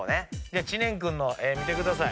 知念君の絵見てください。